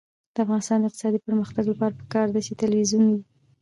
د افغانستان د اقتصادي پرمختګ لپاره پکار ده چې تلویزیون وي.